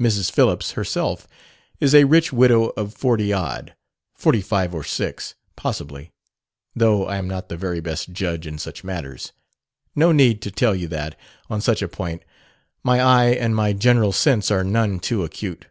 Mrs. Phillips herself is a rich widow of forty odd forty five or six, possibly, though I am not the very best judge in such matters: no need to tell you that, on such a point, my eye and my general sense are none too acute.